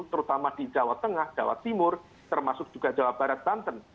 terutama di jawa tengah jawa timur termasuk juga jawa barat banten